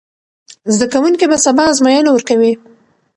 زده کوونکي به سبا ازموینه ورکوي.